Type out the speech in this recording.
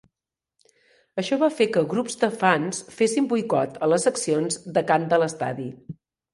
Això va fer que grups de fans fessin boicot a les seccions de cant de l'estadi.